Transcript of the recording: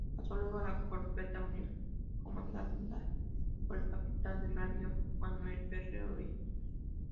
Pasó luego a la corbeta "Unión" comandada por el capitán de navío Manuel Ferreyros.